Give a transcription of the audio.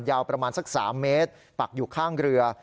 ยาวประมาณสัก๓เมตรปักอยู่ข้างเรือ